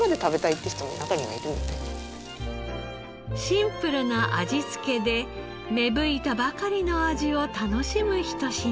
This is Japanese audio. シンプルな味付けで芽吹いたばかりの味を楽しむ一品。